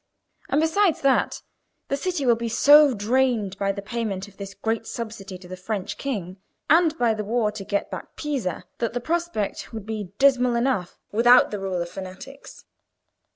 And besides that, the city will be so drained by the payment of this great subsidy to the French king, and by the war to get back Pisa, that the prospect would be dismal enough without the rule of fanatics.